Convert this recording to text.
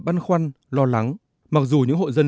băn khoăn lo lắng mặc dù những hộ dân